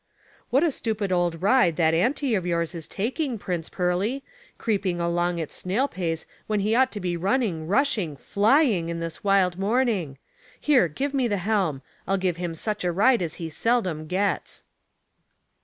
'* What a stupid old ride that auntie of yours is taking. Prince Pearly ; creeping along at snail pace when he ought to be running, rushing, flying! on this wild morning. Here, give me the helm. I'll giYQ him such a ride as he seldom gets."